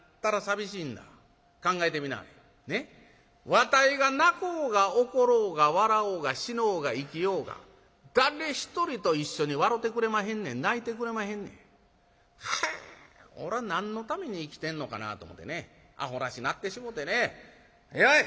わたいが泣こうが怒ろうが笑おうが死のうが生きようが誰一人と一緒に笑てくれまへんねん泣いてくれまへんねん。はあおら何のために生きてんのかなと思てねアホらしなってしもうてねやい！